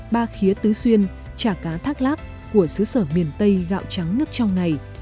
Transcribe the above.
ba khía tứ xuyên chả cá thác láp của sứ sở miền tây gạo trắng nước trong này